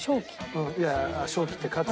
うん。